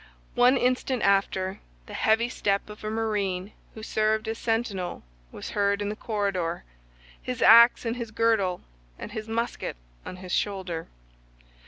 One instant after, the heavy step of a marine who served as sentinel was heard in the corridor—his ax in his girdle and his musket on his shoulder.